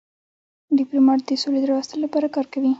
ډيپلومات د سولي د راوستلو لپاره کار کوي.